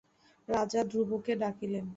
রাজা ধ্রুবকে ডাকিলেন।